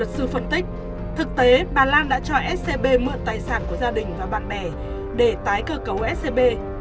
sự phân tích thực tế bà lan đã cho scb mượn tài sản của gia đình và bạn bè để tái cơ cấu scb